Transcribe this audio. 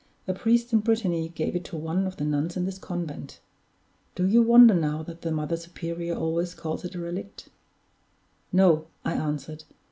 A priest in Brittany gave it to one of the nuns in this convent. Do you wonder now that the Mother Superior always calls it a Relic?" "No," I answered.